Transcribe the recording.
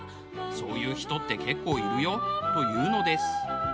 「そういう人って結構いるよ」と言うのです。